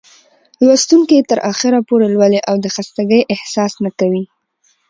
لوستونکى يې تر اخره پورې لولي او د خستګۍ احساس نه کوي.